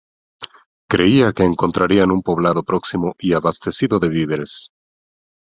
Creía que encontrarían un poblado próximo y abastecido de víveres.